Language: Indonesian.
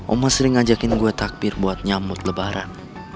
oma sering ajakin gue takbir buat nyambut lebaran